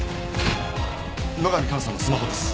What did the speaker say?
野上加奈さんのスマホです。